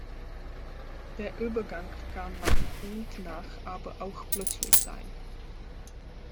Der Übergang kann nach und nach, aber auch plötzlich sein.